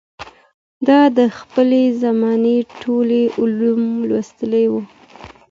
ده د خپلې زمانې ټول علوم لوستي وو